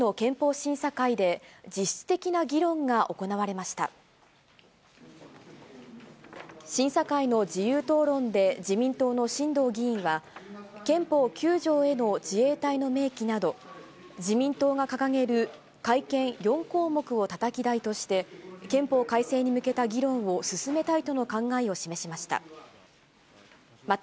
審査会の自由討論で、自民党の新藤議員は、憲法９条への自衛隊の明記など、自民党が掲げる改憲４項目をたたき台として、憲法改正に向けた議論を進めたいとの考えを示しました。